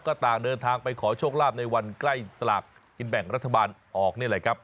ก็ต่างเดินทางไปขอโชคลาภในวันใกล้สลากกินแบ่งรัฐบาลออกนี่แหละครับ